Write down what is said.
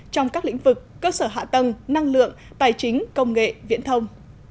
trong các lĩnh vực cơ sở hạ tầng năng lượng tài chính công nghệ viễn thông